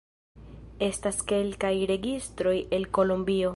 Estas kelkaj registroj el Kolombio.